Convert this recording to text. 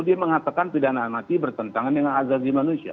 dia mengatakan pidana mati bertentangan dengan azazi manusia